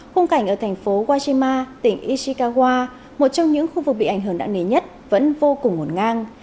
khung cảnh ở thành phố wajima tỉnh ishikawa một trong những khu vực bị ảnh hưởng nặng nề nhất vẫn vô cùng ngổn ngang